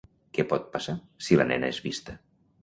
Què pot passar si la nena és vista?